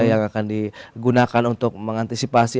yang akan digunakan untuk mengantisipasi